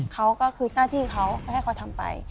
เขาก็คือหน้าที่เขาให้เขาทำไป